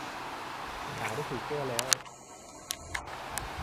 ปัญหาได้ถูกแก้แล้ว